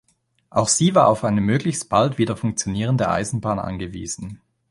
Auch sie war auf eine möglichst bald wieder funktionierende Eisenbahn angewiesen.